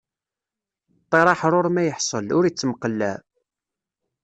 Ṭṭiṛ aḥṛuṛ ma iḥṣel, ur ittemqellaɛ.